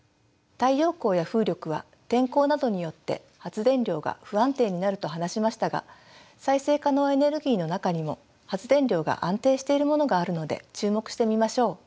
太陽光や風力は天候などによって発電量が不安定になると話しましたが再生可能エネルギーの中にも発電量が安定しているものがあるので注目してみましょう。